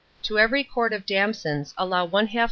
To every quart of damsons allow 1/2 lb.